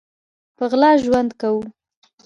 په غلا ژوند کوو